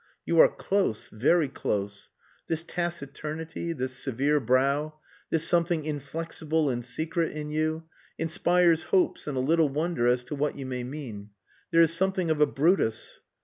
You are close, very close. This taciturnity, this severe brow, this something inflexible and secret in you, inspires hopes and a little wonder as to what you may mean. There is something of a Brutus...."